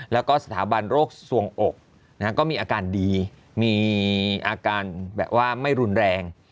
แล้วก็สถาบันโรคสวงอกก็มีอาการดีมีอาการแบบว่าไม่รุนแรง